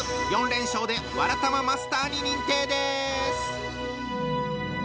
４連勝でわらたまマスターに認定です！